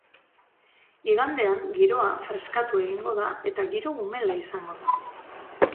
Igandean, giroa feskatu egingo da eta giro umela izango da.